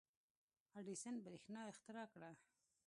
• اډیسن برېښنا اختراع کړه.